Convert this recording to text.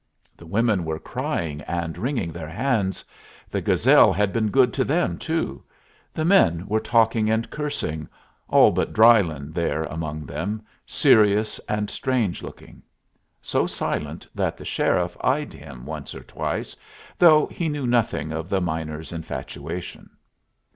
The women were crying and wringing their hands the Gazelle had been good to them too; the men were talking and cursing, all but Drylyn there among them, serious and strange looking; so silent that the sheriff eyed him once or twice, though he knew nothing of the miner's infatuation.